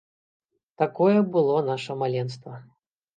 Такое было наша маленства.